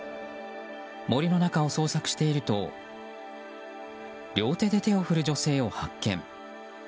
森の中を捜索していると両手で手を振る女性を発見。